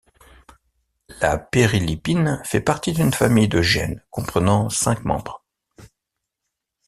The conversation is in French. La périlipine fait partie d'une famille de gènes comprenant cinq membres.